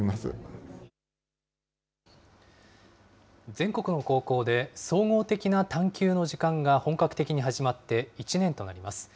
全国の高校で総合的な探究の時間が本格的に始まって１年となります。